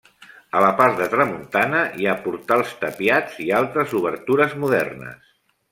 A la part de tramuntana hi ha portals tapiats i altres obertures modernes.